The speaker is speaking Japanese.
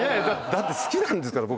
だって好きなんですから僕。